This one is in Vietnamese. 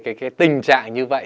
cái tình trạng như vậy